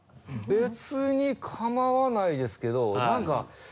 別に構わないですけど何か。